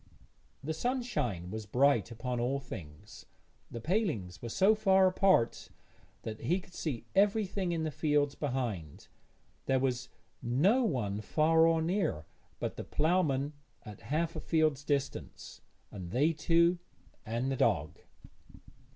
The sunshine was bright upon all things; the palings were so far apart that he could see everything in the fields behind; there was no one far or near but the ploughman at half a field's distance, and they two, and the dog.